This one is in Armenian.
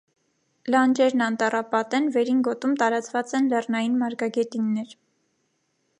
Լանջերն անտառապատ են, վերին գոտում տարածված են լեռնային մարգագետիններ։